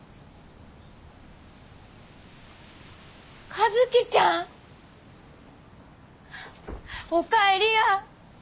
和希ちゃん！お帰りや！